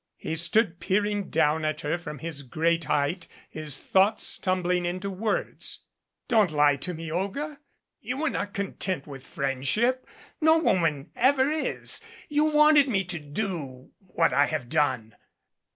He stood peering down at her from his great height, his thoughts tumbling into words. "Don't lie to me, Olga. You were not content with friendship. No woman ever is. You wanted me to do what I have done."